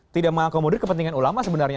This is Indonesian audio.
tidak mengakomodir kepentingan ulama sebenarnya